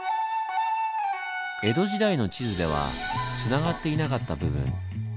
江戸時代の地図ではつながっていなかった部分。